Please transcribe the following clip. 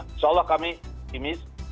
insya allah kami timis